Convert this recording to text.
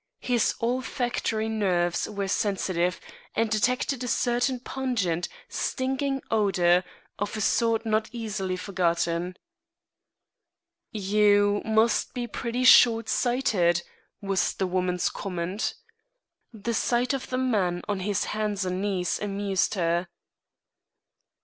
His olfactory nerves were sensitive, and detected a certain pungent, stinging odor, of a sort not easily forgotten. "You must be pretty short sighted," was the woman's comment. The sight of the man on his hands and knees amused her.